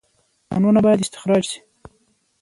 کانونه باید استخراج شي